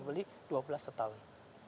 beli dua belas setahun